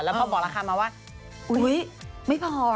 พอพอบอกราคามาว่าไม่พอ